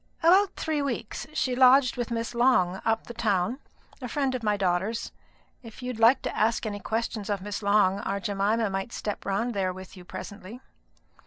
"About three weeks. She lodged with Miss Long, up the town, a friend of my daughter's. If you'd like to ask any questions of Miss Long, our Jemima might step round there with you presently."